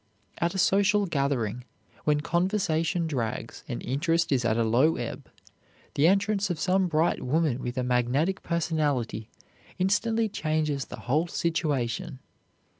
At a social gathering, when conversation drags, and interest is at a low ebb, the entrance of some bright woman with a magnetic personality instantly changes the whole situation.